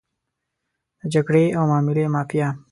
د جګړې او معاملې مافیا.